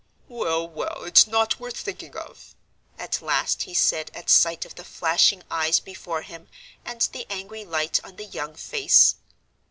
"Well, well, it's not worth thinking of," at last he said at sight of the flashing eyes before him and the angry light on the young face.